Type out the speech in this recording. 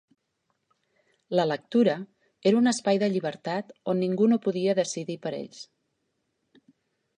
La lectura era un espai de llibertat on ningú no podia decidir per ells.